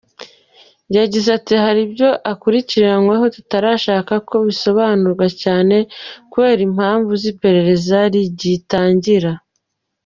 Yagize ati “Hari ibyo akurikiranweho tutarashaka ko bisobanurwa cyane kubera impamvu z’iperereza rigitangira.”